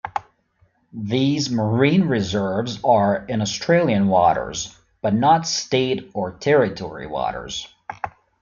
These marine reserves are in Australian waters, but not state or territory waters.